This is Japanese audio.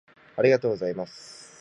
「ありがとうございます」